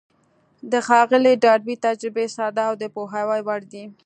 د ښاغلي ډاربي تجربې ساده او د پوهاوي وړ دي.